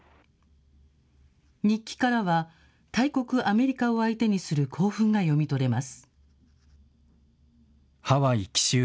日記からは、大国アメリカを相手にする興奮が読み取れます。